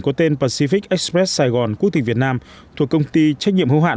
có tên pacific express sài gòn quốc tịch việt nam thuộc công ty trách nhiệm hữu hạn